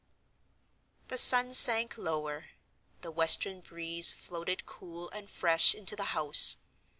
The sun sank lower; the western breeze floated cool and fresh into the house.